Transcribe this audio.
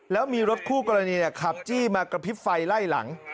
แล้วมีรถคู่กรณีขับจี้มากระพริบไฟไล่หลัง